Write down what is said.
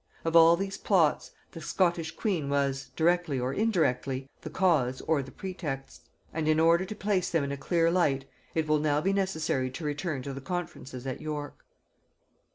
Of all these plots, the Scottish queen was, directly or indirectly, the cause or the pretext; and in order to place them in a clear light, it will now be necessary to return to the conferences at York.